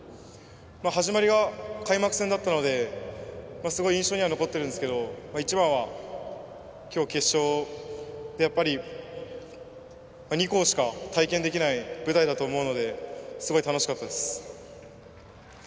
始まりが開幕戦だったのですごい印象には残ってるんですけど一番は今日、決勝ってやっぱり、２校しか体験できない舞台だと思うのですごい楽しかったです。